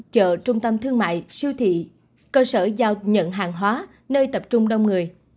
chợ trung tâm thương mại siêu thị cơ sở giao nhận hàng hóa nơi tập trung đông người